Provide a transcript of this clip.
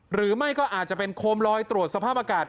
หรือไม่ก็อาจจะเป็นโคมลอยตรวจสภาพอากาศ